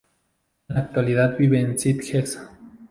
En la actualidad vive en Sitges.